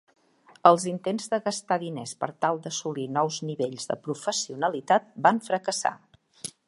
Els intents de gastar diners per tal d'assolir nous nivells de professionalitat van fracassar.